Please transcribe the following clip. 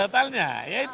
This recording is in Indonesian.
luasan totalnya berapa pak